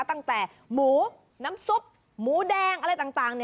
ตั้งแต่หมูน้ำซุปหมูแดงอะไรต่าง